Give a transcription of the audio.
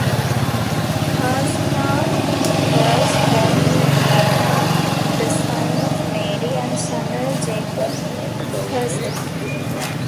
Herzstark was born in Vienna, the son of Marie and Samuel Jakob Herzstark.